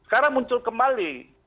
sekarang muncul kembali